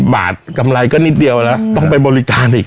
บาทกำไรก็นิดเดียวแล้วต้องไปบริการอีก